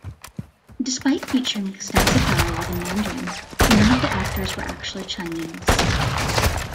Despite featuring extensive dialogue in Mandarin, none of the actors were actually Chinese.